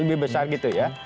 lebih besar gitu ya